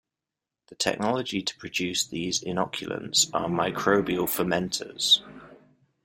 The technology to produce these inoculants are microbial fermenters.